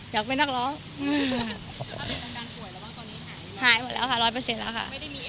อยากเป็นนักร้องตอนนี้หายหมดแล้วค่ะร้อยเปอร์เซ็นต์แล้วค่ะ